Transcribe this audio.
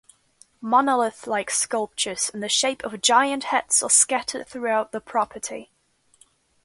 Monolith-like sculptures in the shape of giant heads are scattered throughout the property.